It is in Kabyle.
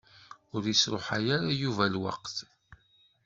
Ur yesṛuḥay ara Yuba lweqt.